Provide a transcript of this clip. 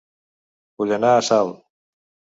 Vull anar a Salt